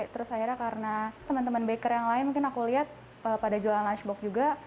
terus akhirnya karena teman teman baker yang lain mungkin aku lihat pada jualan lunchbox juga